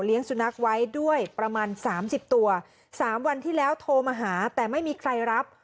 สุนัขไว้ด้วยประมาณ๓๐ตัว๓วันที่แล้วโทรมาหาแต่ไม่มีใครรับ